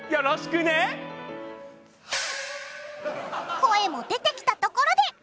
声も出てきたところで！